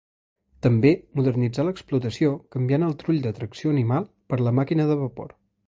També modernitzà l'explotació canviant el trull de tracció animal per la màquina de vapor.